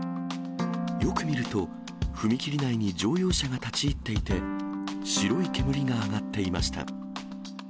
よく見ると、踏切内に乗用車が立ち入っていて、白い煙が上がっていました。